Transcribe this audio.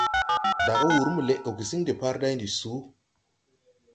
Daga wǔr mo lɛʼgɔ gesiŋ deparday ndi suu.